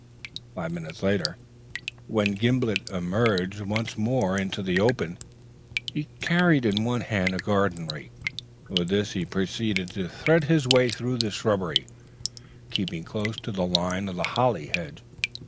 Five minutes later, when Gimblet emerged once more into the open, he carried in one hand a garden rake. With this he proceeded to thread his way through the shrubbery, keeping close to the line of the holly hedge.